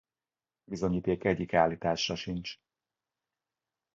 Bizonyíték egyik állításra sincs.